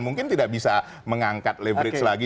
mungkin tidak bisa mengangkat leverage lagi